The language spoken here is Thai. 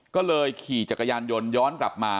ก็เลยขี่จักรยานยนต์ย้อนกลับมา